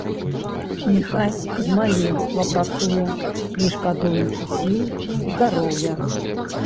Міхась з маленства працуе не шкадуючы сіл, здароўя.